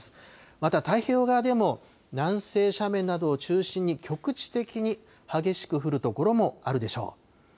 また、太平洋側でも南西斜面などを中心に、局地的に激しく降る所もあるでしょう。